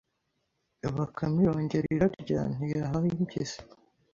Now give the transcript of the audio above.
Bakame irongera irarya ntiyahaho impyisi